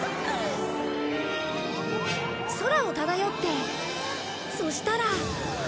空を漂ってそしたら。